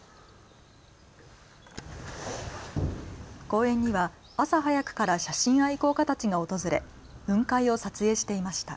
公園には朝早くから写真愛好家たちが訪れ雲海を撮影していました。